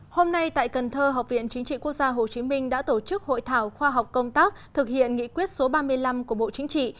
hôm nay tại cần thơ học viện chính trị quốc gia hồ chí minh đã tổ chức hội thảo khoa học công tác thực hiện nghị quyết số ba mươi năm của bộ chính trị